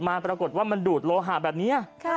ปรากฏว่ามันดูดโลหะแบบนี้